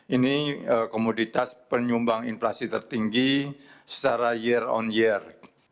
ini komoditas penyumbang inflasi tertinggi secara year on year